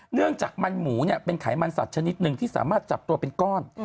เนื่องจากมันหมูเนี่ยเป็นไขมันสัตว์ชนิดหนึ่งที่สามารถจับตัวเป็นก้อน